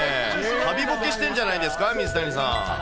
旅ぼけしてるんじゃないですか、水谷さん。